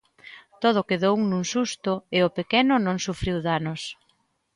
Todo quedou nun susto e o pequeno non sufriu danos.